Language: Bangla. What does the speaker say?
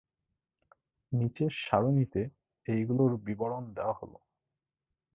নিচের সারণিতে এগুলির বিবরণ দেয়া হল।